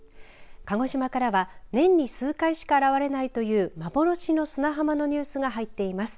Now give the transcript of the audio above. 鹿児島からは年に数回しか現れないという幻の砂浜のニュースが入っています。